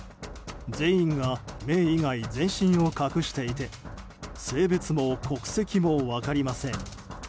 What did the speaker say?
全員が目以外、全身を隠していて性別も国籍も分かりません。